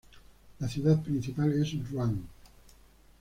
La ciudad principal es Ruán.